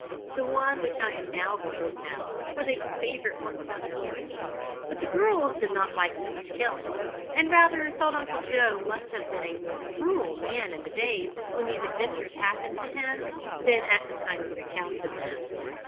The one which I am now going to tell was a favourite one with us boys, but the girls did not like so much killing, and rather thought Uncle Joe must have been a more cruel man in the days when these adventures happened to him than at the time he recounted them.